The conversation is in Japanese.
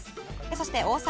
そして大阪。